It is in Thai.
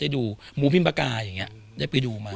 ได้ดูหมูพิมปะก่ายอย่างเงี้ยได้ไปดูมา